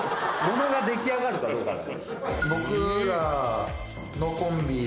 物が出来上がるかどうかだから。